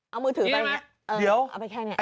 เอามือถือไปเอาไปแค่นี้นี่ใช่ไหม